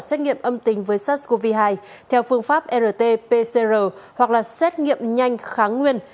xét nghiệm âm tính với sars cov hai theo phương pháp rt pcr hoặc là xét nghiệm nhanh kháng nguyên